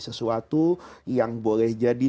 sesuatu yang boleh jadi